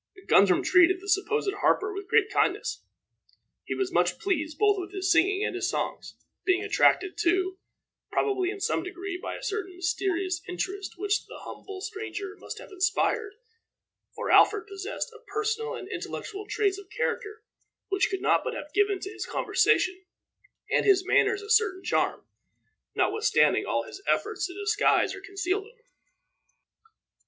Guthrum treated the supposed harper with great kindness. He was much pleased both with his singing and his songs, being attracted, too, probably, in some degree, by a certain mysterious interest which the humble stranger must have inspired; for Alfred possessed personal and intellectual traits of character which could not but have given to his conversation and his manners a certain charm, notwithstanding all his efforts to disguise or conceal them.